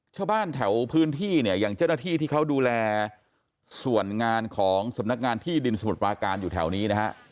ชาวบ้านแถวพื้นที่เนี่ยอย่างเจ้าหน้าที่ที่เขาดูแลส่วนงานของสำนักงานที่ดินสมุทรปราการอยู่แถวนี้นะฮะ